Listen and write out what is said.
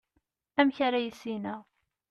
amek ara yissineɣ